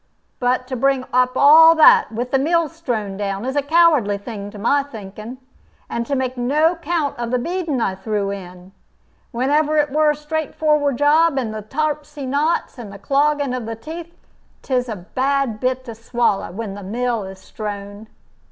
But to bring up all that, with the mill strown down, is a cowardly thing, to my thinking. And to make no count of the beadin' I threw in, whenever it were a straightforrard job, and the turpsy knots, and the clogging of the teeth 'tis a bad bit to swallow, when the mill is strown."